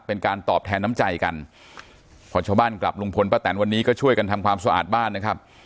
เป็นการตอบแทนน้ำใจกันพอชาวบ้านกลับลุงพลป้าแตนวันนี้ก็ช่วยกันทำความสะอาดบ้านนะครับ